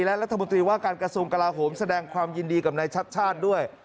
และรัฐมนตรีว่าการกระทรวงกลาโหมแสดงความยินดีกับนายชัดชาติด้วย